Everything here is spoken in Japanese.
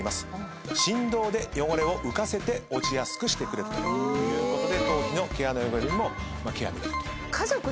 振動で汚れを浮かせて落ちやすくしてくれるということで頭皮の毛穴汚れにもケアできると。